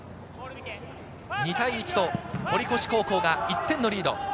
２対１と堀越高校が１点のリード。